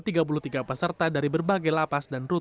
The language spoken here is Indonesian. tapi hari ini adalah perkembangan perdana